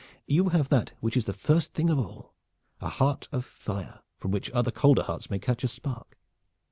You have that which is the first thing of all, a heart of fire from which other colder hearts may catch a spark.